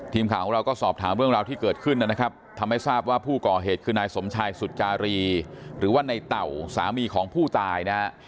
ทีมข่าวของเราก็สอบถามเรื่องราวที่เกิดขึ้นนะครับทำให้ทราบว่าผู้ก่อเหตุคือนายสมชายสุจารีหรือว่าในเต่าสามีของผู้ตายนะฮะ